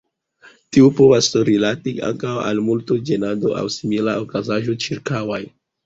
Tio povas rilati ankaŭ al tumulto, ĝenado aŭ simila okazaĵo ĉirkaŭa.